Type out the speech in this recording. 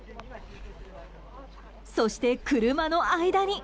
そして車の間に！